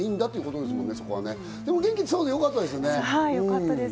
でも元気そうでよかったですね。